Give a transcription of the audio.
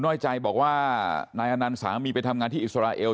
น้อยใจบอกว่านายอนันต์สามีไปทำงานที่อิสราเอล